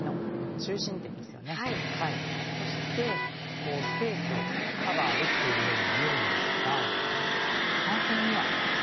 そしてスペースをカバーできているように見えるんですが３線には少し弱点があります。